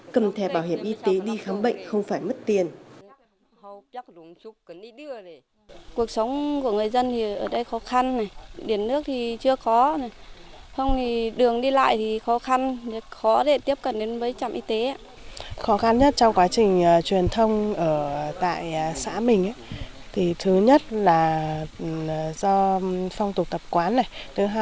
cầm thè bảo hiểm y tế đi khám bệnh không phải mất tiền